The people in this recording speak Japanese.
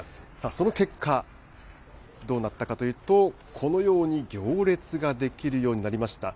その結果、どうなったかというと、このように行列が出来るようになりました。